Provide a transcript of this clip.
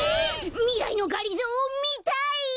みらいのがりぞーみたい！